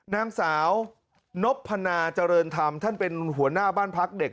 นางสาวนพนาเจริญธรรมท่านเป็นหัวหน้าบ้านพักเด็ก